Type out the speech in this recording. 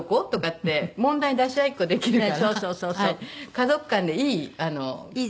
家族間でいい。